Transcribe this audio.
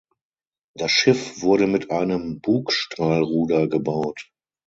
Das Schiff wurde mit einem Bugstrahlruder gebaut.